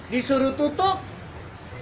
disuruh tutup hasilnya nihil